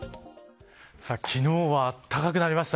昨日はあったかくなりました。